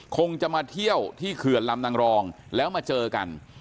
คงจะมาเที่ยวที่เขื่อนลำนางรองแล้วมาเจอกัน